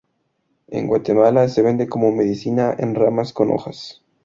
En Guatemala se vende como medicina, en ramas con hojas.